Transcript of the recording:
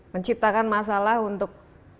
menciptakan masalah untuk